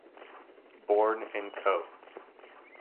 Born in Co.